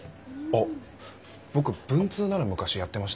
あっ僕文通なら昔やってましたよ。